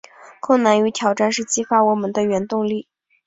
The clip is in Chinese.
困难与挑战是激发我们的原动力